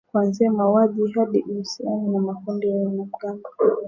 Kuanzia mauaji hadi uhusiano na makundi ya wanamgambo.